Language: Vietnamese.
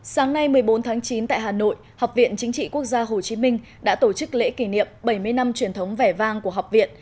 sáng nay một mươi bốn tháng chín tại hà nội học viện chính trị quốc gia hồ chí minh đã tổ chức lễ kỷ niệm bảy mươi năm truyền thống vẻ vang của học viện